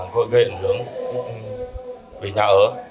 gọi gây ảnh hưởng về nhà ở